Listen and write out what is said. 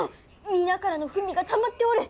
みなからの文がたまっておる！